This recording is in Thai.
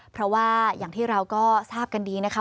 เพราะว่าอย่างที่เราก็ทราบกันดีนะคะ